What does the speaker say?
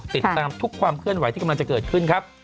ติดตามทุกความเคลื่อนไหวที่กำลังจะเกิดขึ้นครับ